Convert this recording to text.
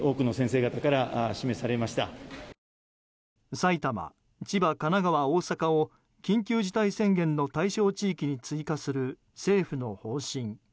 埼玉、千葉、神奈川、大阪を緊急事態宣言の対象地域に追加する政府の方針。